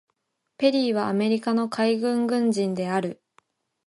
ペリーはアメリカの海軍軍人である。